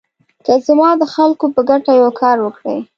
که هغه زما د خلکو په ګټه یو کار وکړي.